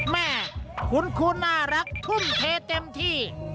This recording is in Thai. แม่คุณครูน่ารักทุ่มเทเต็มที่